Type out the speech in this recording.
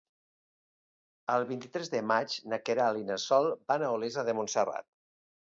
El vint-i-tres de maig na Queralt i na Sol van a Olesa de Montserrat.